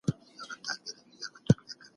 مور او پلار قدرمن دي.